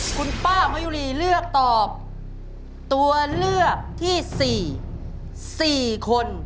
คุณป้ามะยุรีเลือกตอบตัวเลือกที่๔๔คน